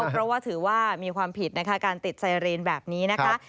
เพราะว่าถือว่ามีความผิดนะคะการติดไซเรนแบบนี้นะคะ